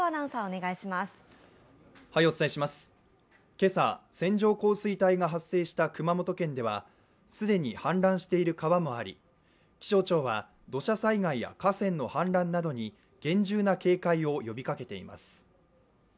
今朝、線状降水帯が発生した熊本県では既に氾濫している川もあり、気象庁は土砂災害や河川の氾濫などに厳重な警戒を呼びかけています。